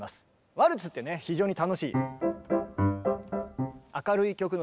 ワルツってね非常に楽しい。